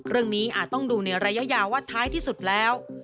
เรื่องนี้อาจต้องดูในระยะยาววัดท้ายที่สุดแล้ว